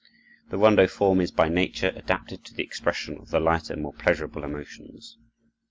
The rondo form is by nature adapted to the expression of the lighter, more pleasurable emotions.